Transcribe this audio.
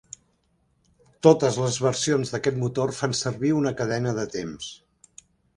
Totes les versions d'aquest motor fan servir una cadena de temps.